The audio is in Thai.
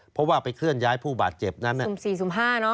เพราะว่าไปเคลื่อนย้ายผู้บาดเจ็บนั้น